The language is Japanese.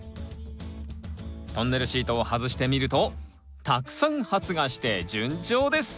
トンネルシートを外してみるとたくさん発芽して順調です！